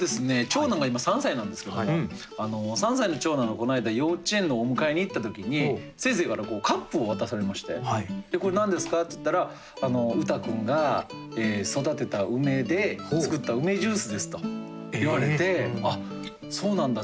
長男が今３歳なんですけども３歳の長男のこないだ幼稚園のお迎えに行った時に先生からカップを渡されまして「これ何ですか？」って言ったら「羽汰君が育てた梅で作った梅ジュースです」と言われてそうなんだ。